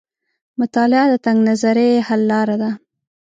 مطالعه د تنګ نظرۍ حل لار ده.